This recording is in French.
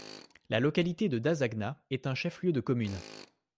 La localité de Dah-Zagna est un chef-lieu de commune.